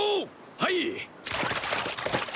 はい！